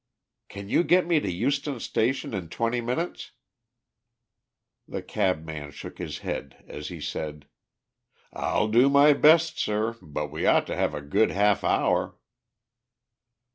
"Can you get me to Euston Station in twenty minutes?" The cabman shook his head, as he said "I'll do my best, sir, but we ought to have a good half hour."